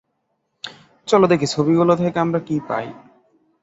চলো দেখি ছবিগুলো থেকে আমরা কী পাই।